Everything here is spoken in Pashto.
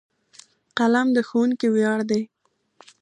قلم د ښوونکي ویاړ دی.